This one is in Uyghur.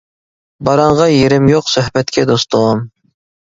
باراڭغا يېرىم يوق، سۆھبەتكە دوستۇم.